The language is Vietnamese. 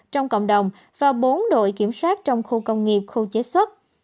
trong cộng đồng và bốn đội kiểm soát trong khu công nghiệp khu chế xuất